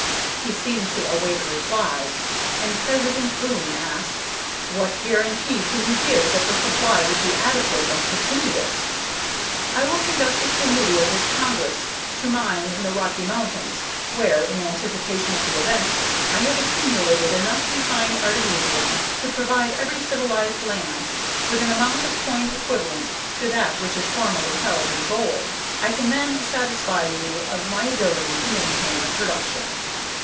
He seemed to await a reply, and President Boon asked: "What guarantee can you give that the supply would be adequate and continuous?" "I will conduct a committee of this congress to my mine in the Rocky Mountains, where, in anticipation of the event, I have accumulated enough refined artemisium to provide every civilized land with an amount of coin equivalent to that which it formerly held in gold. I can there satisfy you of my ability to maintain the production."